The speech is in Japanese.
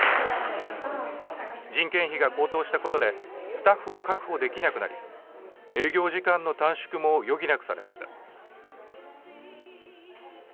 人件費が高騰したことでスタッフを確保できなくなり営業時間の短縮も余儀なくされました。